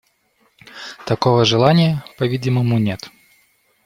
Такого желания, по-видимому, нет.